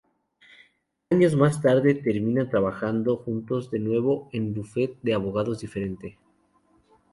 Años más tarde, terminan trabajando juntos de nuevo en un bufete de abogados diferente.